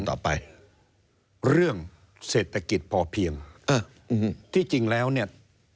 แม้กระทั่งเรื่องเศรษฐกิจพอเพียงที่จริงแล้วเนี่ย